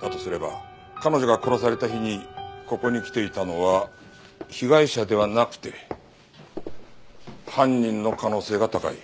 だとすれば彼女が殺された日にここに来ていたのは被害者ではなくて犯人の可能性が高い。